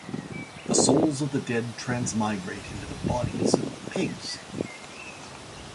The souls of the dead transmigrate into the bodies of pigs.